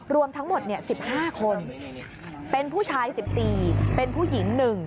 รวมทั้งหมด๑๕คนเป็นผู้ชาย๑๔เป็นผู้หญิง๑